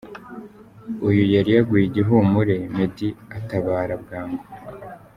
Uyu yari yaguye igihumure Meddy atabara bwangu!.